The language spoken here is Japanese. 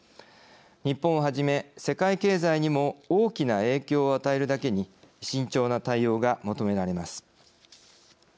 日本をはじめ世界経済にも大きな影響を与えるだけに慎重な対応が求められます。